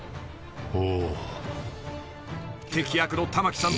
「おお」